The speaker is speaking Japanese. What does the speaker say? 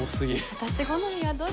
私好みはどれ？